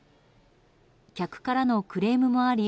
客からのクレームもあり